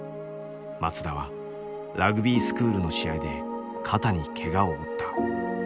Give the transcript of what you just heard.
松田はラグビースクールの試合で肩にけがを負った。